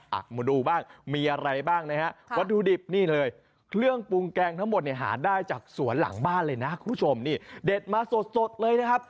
มาดูบ้างมีอะไรบ้างนะฮะ